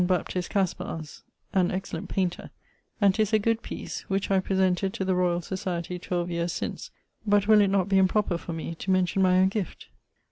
Baptist Caspars, an excellent painter, and 'tis a good piece, which I presented to the Societie 12 yeares since (but will it not be improper for me to mention my owne guift?).